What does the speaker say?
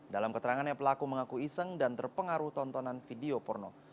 dalam keterangannya pelaku mengaku iseng dan terpengaruh tontonan video porno